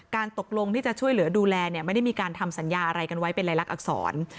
ตกลงที่จะช่วยเหลือดูแลเนี่ยไม่ได้มีการทำสัญญาอะไรกันไว้เป็นรายลักษณอักษร